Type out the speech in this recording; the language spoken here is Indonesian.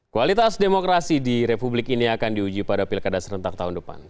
kualitas demokrasi di republik ini akan diuji pada pilkada serentak tahun depan